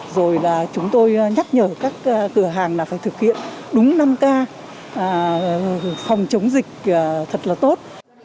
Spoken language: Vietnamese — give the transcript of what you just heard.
rồi là chúng tôi nhắc nhở các cửa hàng là phải thực hiện đúng năm k phòng chống dịch thật là tốt